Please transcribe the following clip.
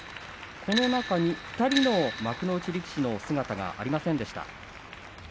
この中に２人の幕内力士の姿がありませんでした。